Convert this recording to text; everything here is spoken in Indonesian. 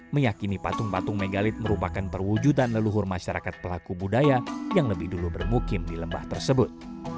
meyakini patung patung megalit merupakan perwujudan leluhur masyarakat pelaku budaya yang lebih dulu bermukim di lembah tersebut